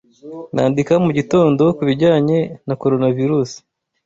Nandika mugitondo kubijyanye na Coronavirus.